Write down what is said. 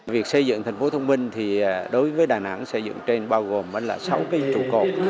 việc xây dựng thành phố thông minh thì đối với đà nẵng xây dựng trên bao gồm là sáu cái trụ cột